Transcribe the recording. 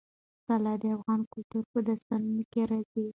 طلا د افغان کلتور په داستانونو کې راځي.